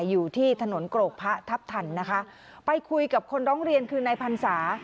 อยู่ที่ถนนกรกพระทัพทันนะคะไปคุยกับคนร้องเรียนคือนายพรรษา